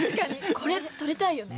これ撮りたいよね。